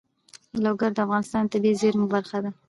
لوگر د افغانستان د طبیعي زیرمو برخه ده.